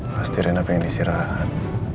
pasti riana pengen istirahat